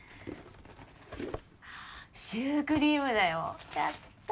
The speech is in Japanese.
あシュークリームだよやった！